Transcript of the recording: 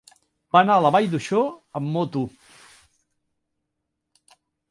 Va anar a la Vall d'Uixó amb moto.